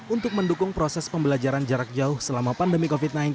untuk mendukung proses pembelajaran jarak jauh selama pandemi covid sembilan belas